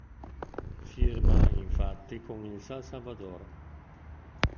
Firma, infatti, con il San Salvador.